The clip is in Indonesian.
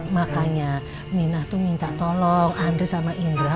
makanya minah tuh minta tolong andri sama indra